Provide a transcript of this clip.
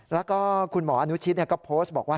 แล้วก็คุณหมออนุชิตก็โพสต์บอกว่า